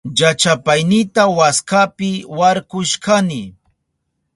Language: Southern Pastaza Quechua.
Llachapaynita waskapi warkushkani.